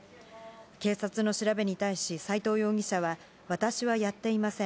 警察の調べに対し、斎藤容疑者は、私はやっていません。